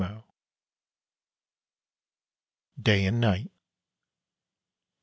Meek. DAY AND NIGHT.